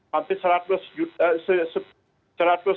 hampir seratus juta